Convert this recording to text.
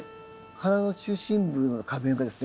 花の中心部の花弁がですね